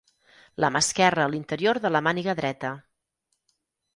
La mà esquerra a l'interior de la màniga dreta.